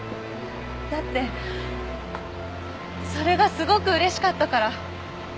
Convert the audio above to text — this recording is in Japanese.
だってそれがすごく嬉しかったから。